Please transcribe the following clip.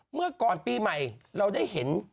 เมื่อก่อนปีใหม่เราได้เห็น